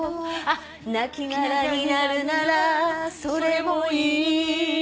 「なきがらになるならそれもいい」